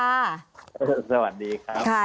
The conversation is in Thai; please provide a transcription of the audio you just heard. สวัสดีครับ